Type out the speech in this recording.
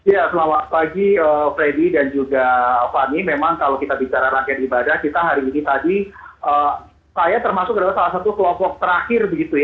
ya selamat pagi freddy dan juga fani memang kalau kita bicara rangkaian ibadah kita hari ini tadi saya termasuk adalah salah satu kelompok terakhir